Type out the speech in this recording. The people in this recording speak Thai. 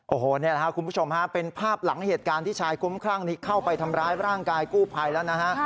โอ้โหนี่แหละครับคุณผู้ชมฮะเป็นภาพหลังเหตุการณ์ที่ชายคุ้มครั่งนี้เข้าไปทำร้ายร่างกายกู้ภัยแล้วนะฮะ